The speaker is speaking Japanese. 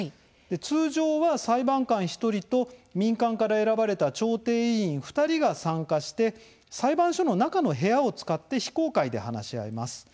通常は、裁判官１人と民間から選ばれた調停委員２人が参加して裁判所の中の部屋を使って非公開で話し合います。